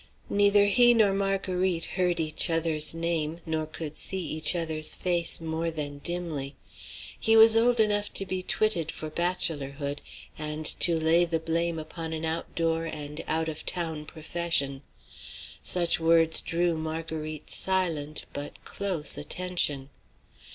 Neither he nor Marguerite heard each other's name, nor could see each other's face more than dimly. He was old enough to be twitted for bachelorhood, and to lay the blame upon an outdoor and out of town profession. Such words drew Marguerite's silent but close attention.